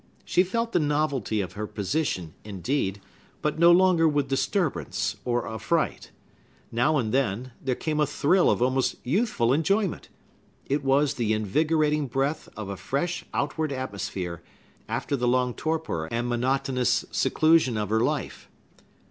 She felt the novelty of her position, indeed, but no longer with disturbance or affright. Now and then, there came a thrill of almost youthful enjoyment. It was the invigorating breath of a fresh outward atmosphere, after the long torpor and monotonous seclusion of her life.